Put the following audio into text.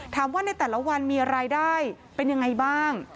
ถามว่าในแต่ละวันมีอะไรได้เป็นอย่างไรบ้าง